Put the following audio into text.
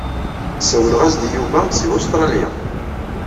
Sawleɣ-as-d i Yuba si Ustralya.